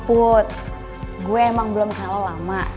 put gue emang belum kenal lo lama